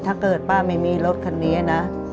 ถ้าเกิดป้าไม่มีรถคันนี้นะ